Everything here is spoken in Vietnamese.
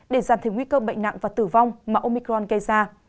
để giảm thiểu nguy cơ bệnh nặng và tử vong mà omicron gây ra